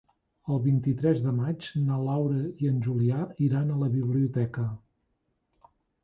El vint-i-tres de maig na Laura i en Julià iran a la biblioteca.